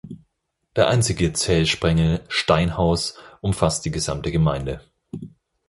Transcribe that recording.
Der einzige Zählsprengel "Steinhaus" umfasst die gesamte Gemeinde.